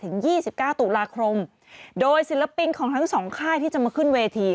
ยี่สิบเก้าตุลาคมโดยศิลปินของทั้งสองค่ายที่จะมาขึ้นเวที